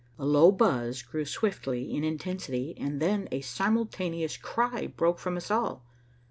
A low buzz grew swiftly in intensity, and then a simultaneous cry broke from us all.